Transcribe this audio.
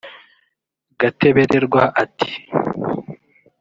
Gatebererwa ati